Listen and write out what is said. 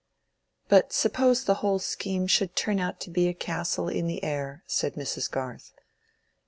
"But suppose the whole scheme should turn out to be a castle in the air?" said Mrs. Garth.